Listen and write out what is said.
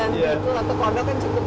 kombi dan begitu atau corda kan cukup